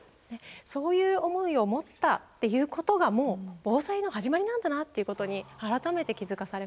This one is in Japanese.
そういう思いを持ったっていうことがもう防災の始まりなんだなっていうことに改めて気付かされました。